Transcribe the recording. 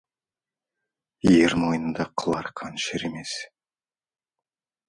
Ер мойнында қыл арқан шірімес.